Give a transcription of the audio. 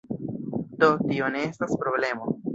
Do, tio ne estas problemo